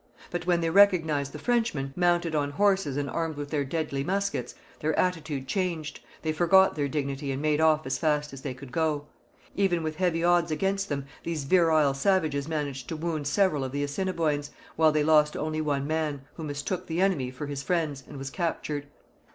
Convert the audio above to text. But when they recognized the Frenchmen, mounted on horses and armed with their deadly muskets, their attitude changed; they forgot their dignity and made off as fast as they could go. Even with heavy odds against them these virile savages managed to wound several of the Assiniboines, while they lost only one man, who mistook the enemy for his friends and was captured.